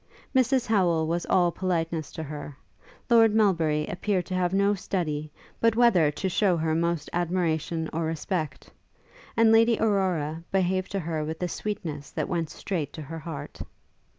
Mrs Howel was all politeness to her; Lord Melbury appeared to have no study, but whether to shew her most admiration or respect; and Lady Aurora behaved to her with a sweetness that went straight to her heart.